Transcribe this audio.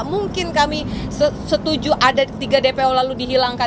mungkin kami setuju ada tiga dpo lalu dihilangkan